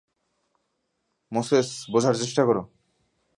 Moses, বোঝার চেষ্টা করো।